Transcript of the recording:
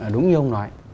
đúng như ông nói